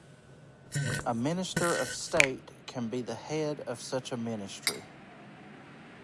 A minister of state can be the head of such a ministry.